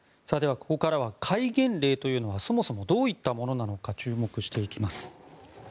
ここからは戒厳令というのはそもそもどういったものなのか注目していきます。